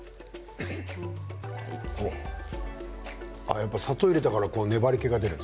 やっぱり砂糖を入れたからこう粘りけが出るの？